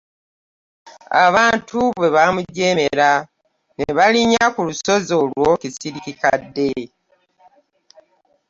Abantu bwe baamujeemera ne balinnya ku lusozi olwo Kisirikikadde.